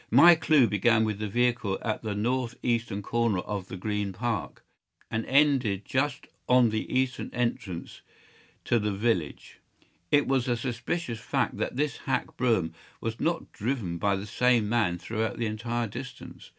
My clue began with the vehicle at the north eastern corner of the Green Park, and ended just on the eastern entrance to the village of ——. It was a suspicious fact that this hack brougham was not driven by the same man throughout the entire distance.